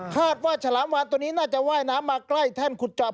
ฉลามวานตัวนี้น่าจะว่ายน้ำมาใกล้แท่นขุดจอบ